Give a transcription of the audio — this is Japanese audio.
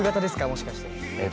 もしかして。